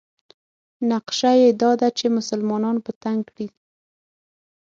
نقشه یې دا ده چې مسلمانان په تنګ کړي.